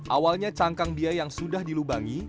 awalnya cangkang bia yang sudah dilubangi